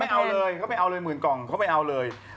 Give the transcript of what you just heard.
ไม่เอาเลยเขาไปเอาเลยหมื่นกล่องเขาไปเอาเลย